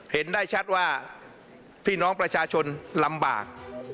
เห็นได้ชัดว่าพี่น้องประชาชนลำบาก